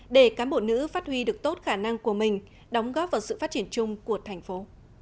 để cán bộ nữ phát huy được tốt khả năng của mình đóng góp vào sự phát triển chung của thành phố